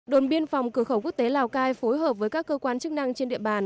đồn biên phòng cửa khẩu quốc tế lào cai phối hợp với các cơ quan chức năng trên địa bàn